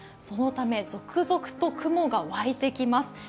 そのため続々と雲が湧いてきます。